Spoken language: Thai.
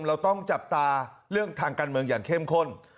เราต้องจับตาเรื่องทางการเมืองอย่างเข้มข้น